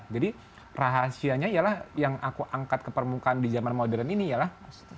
jadi rahasianya ialah yang aku angkat ke permukaan di zaman modern ini ialah